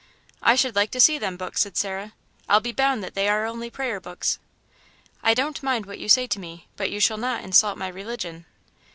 "I should like to see them books," said Sarah. "I'll be bound that they are only prayer books." "I don't mind what you say to me, but you shall not insult my religion."